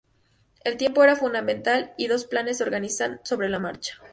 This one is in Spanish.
El tiempo era fundamental y los planes se organizan sobre la marcha.